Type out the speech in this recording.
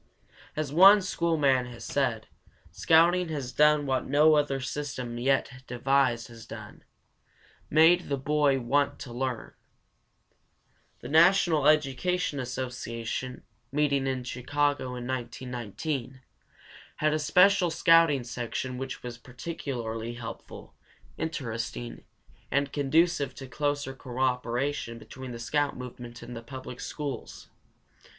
As one school man has said, "Scouting has done what no other system yet devised has done made the boy want to learn." The National Education Association, meeting in Chicago in 1919, had a special scouting section which was particularly helpful, interesting, and conducive to closer cooperation between the scout movement and the public schools.